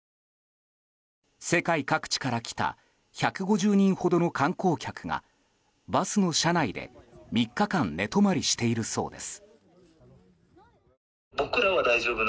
世界各地から来た１５０人ほどの観光客がバスの車内で３日間寝泊まりしているそうです。